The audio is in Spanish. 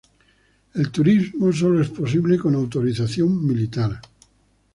El turismo sólo es posible con autorización militar.